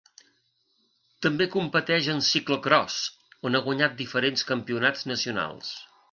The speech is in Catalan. També competeix en ciclocròs, on ha guanyat diferents campionats nacionals.